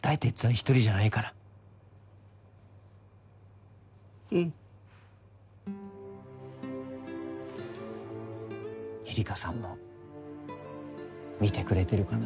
一人じゃないからうんゆりかさんも見てくれてるかな